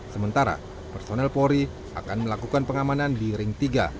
sementara personel polri akan melakukan pengamanan di ring tiga